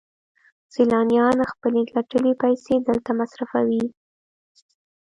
سیلانیان خپلې ګټلې پیسې دلته مصرفوي